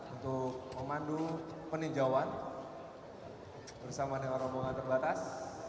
untuk memandu peninjauan bersama dengan rombongan terbatas